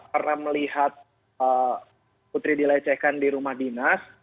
karena melihat putri dilecehkan di rumah dinas